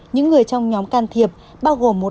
những người trong nhóm can thiệp bao gồm một